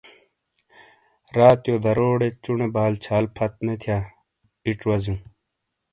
راتیو دروٹے چونے بال چھال پھت نے تھیا ایچ وازیو۔